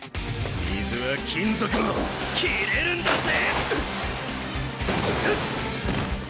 水は金属も斬れるんだぜ！